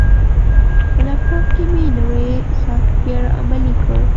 په لپټاپ کې مې نوی سافټویر عملي کړ.